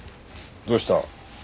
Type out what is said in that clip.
どうした？